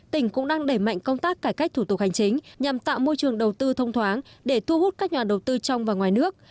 tỉnh cũng đang đẩy mạnh công tác cải cách thủ tục hành chính nhằm tạo môi trường đầu tư thông thoáng để thu hút các nhà đầu tư trong và ngoài nước